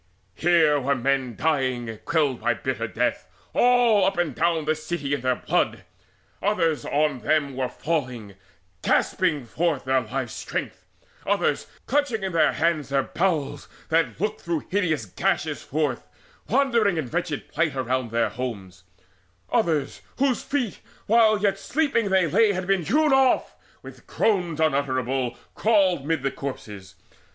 Here were men lying quelled by bitter death All up and down the city in their blood; Others on them were falling, gasping forth Their life's strength; others, clutching in their hands Their bowels that looked through hideous gashes forth, Wandered in wretched plight around their homes: Others, whose feet, while yet asleep they lay, Had been hewn off, with groans unutterable Crawled mid the corpses.